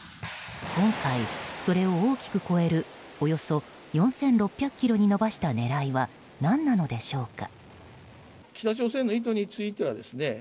今回、それを大きく超えるおよそ４６００ｋｍに伸ばした狙いは何なのでしょうか。